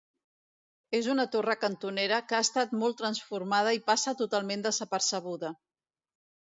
És una torre cantonera que ha estat molt transformada i passa totalment desapercebuda.